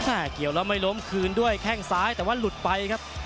เกี่ยวแล้วไม่ล้มคืนด้วยแข้งซ้ายแต่ว่าหลุดไปครับ